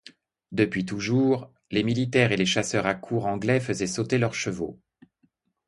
Depuis toujours, les militaires et les chasseurs à courre anglais faisaient sauter leurs chevaux.